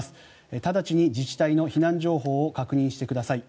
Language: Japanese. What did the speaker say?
直ちに自治体の避難情報を確認してください。